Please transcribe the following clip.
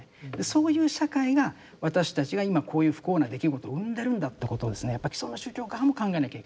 そういう社会が私たちが今こういう不幸な出来事を生んでるんだってことをやっぱ既存の宗教側も考えなきゃいけない。